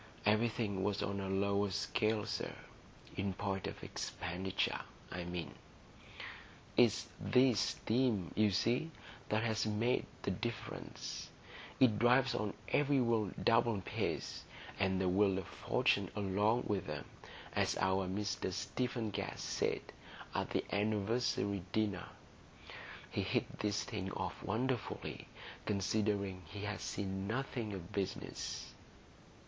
Everything was on a lower scale, sir,—in point of expenditure, I mean. It's this steam, you see, that has made the difference; it drives on every wheel double pace, and the wheel of fortune along with 'em, as our Mr Stephen Guest said at the anniversary dinner (he hits these things off wonderfully, considering he's seen nothing of business).